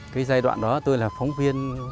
cái giai đoạn đó tôi là phóng viên